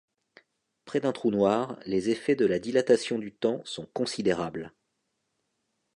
Près d'un trou noir, les effets de la dilatation du temps sont considérables.